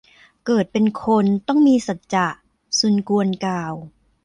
เกิดเป็นคน ต้องมีสัจจะ ซุนกวนกล่าว